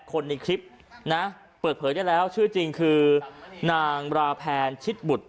คนในคลิปนะเปิดเผยได้แล้วชื่อจริงคือนางราแพนชิดบุตร